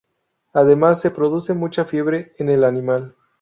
Además se produce mucha fiebre en el animal.